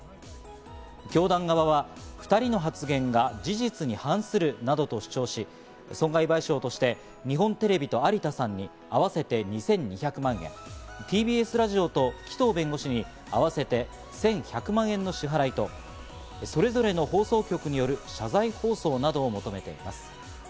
教団側は２人の発言が事実に反するなどと主張し、損害賠償として日本テレビと有田さんに合わせて２２００万円、ＴＢＳラジオと紀藤弁護士に合わせて１１００万円の支払いと、それぞれの放送局による謝罪放送などを求めています。